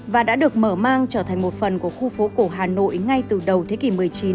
và đã được mở mang trở thành một phần của khu phố cổ hà nội ngay từ đầu thế kỷ một mươi chín